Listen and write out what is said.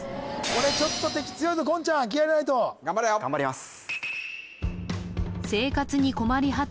これちょっと敵強いぞ言ちゃん気合い入れないと頑張れよ頑張ります